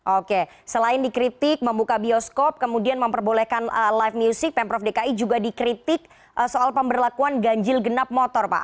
oke selain dikritik membuka bioskop kemudian memperbolehkan live music pemprov dki juga dikritik soal pemberlakuan ganjil genap motor pak